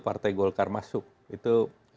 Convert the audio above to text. partai golkar masuk itu